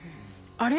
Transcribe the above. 「あれ？」